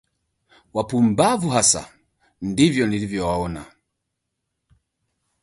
Wapumbavu hasa, ndivyo nilivyowaona